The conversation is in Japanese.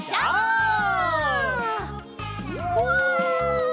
うわ！